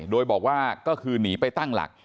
โดยบอกว่าก็คือหนีไปตั้งหลัก